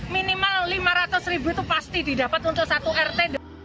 minimal lima ratus ribu itu pasti didapat untuk satu rt